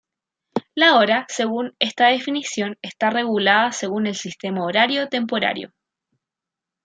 La hora según esta definición está regulada según el Sistema Horario Temporario.